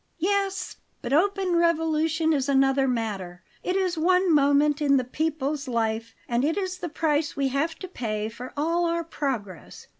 "Yes, but open revolution is another matter. It is one moment in the people's life, and it is the price we have to pay for all our progress.